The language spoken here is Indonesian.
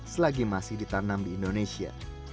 selagi masih ditanam di indonesia